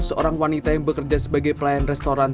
seorang wanita yang bekerja sebagai pelayan restoran